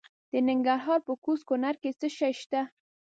د ننګرهار په کوز کونړ کې څه شی شته؟